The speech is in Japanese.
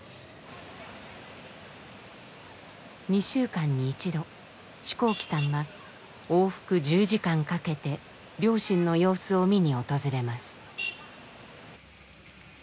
２週間に一度四光記さんは往復１０時間かけて両親の様子を見に訪れます。